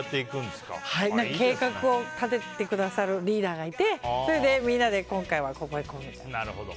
計画を立ててくださるリーダーがいてみんなで今回はここ行こうよと。